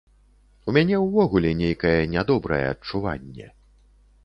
У мяне ўвогуле нейкае нядобрае адчуванне.